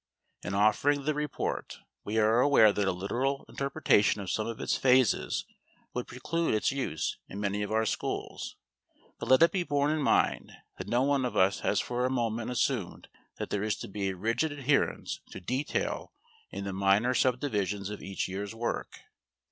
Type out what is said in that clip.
In offering the report, we are aware that a literal interpretation of some of its phases would preclude its use in many of our schools. But let it be borne in mind that no one of us has for a moment assumed that there is to be a rigid adherence to detail in the minor sub divisions of each year's work.